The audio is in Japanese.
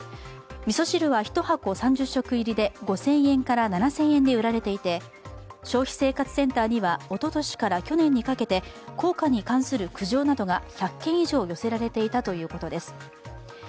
味噌汁は一箱３０食入りで５０００円から７０００円で売られていて、消費生活センターには、おととしから去年にかけて、効果に関する苦情などが１００件以上寄せられていたということです。